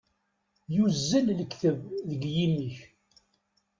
Yuzzel lekdeb deg yimi-k.